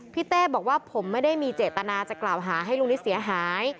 เต้บอกว่าผมไม่ได้มีเจตนาจะกล่าวหาให้ลุงนิดเสียหาย